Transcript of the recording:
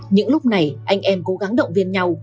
những lúc này anh em cố gắng động viên nhau